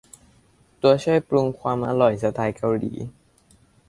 ตัวช่วยปรุงความอร่อยสไตล์เกาหลี